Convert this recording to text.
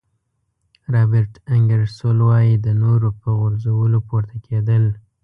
رابرټ انګیرسول وایي د نورو په غورځولو پورته کېدل.